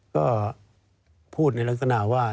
ก็พูดในลักษณะว่า